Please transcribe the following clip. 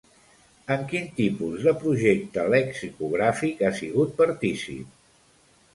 En quin tipus de projecte lexicogràfic ha sigut partícip?